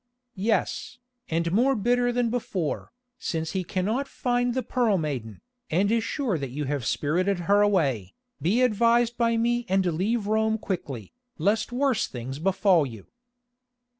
"Yes, and more bitter than before, since he cannot find the Pearl Maiden, and is sure that you have spirited her away. Be advised by me and leave Rome quickly, lest worse things befall you."